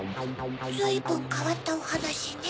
ずいぶんかわったおはなしね。